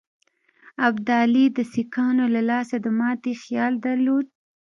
ابدالي د سیکهانو له لاسه د ماتي خیال درلود.